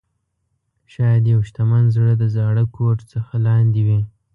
شاید یو شتمن زړه د زاړه کوټ څخه لاندې وي.